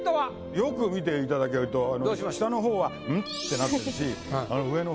よく見ていただけると下の方は「ん」ってなってるし上の方は。